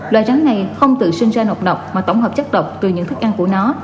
loài rắn này không tự sinh ra nọc nọc mà tổng hợp chất độc từ những thức ăn của nó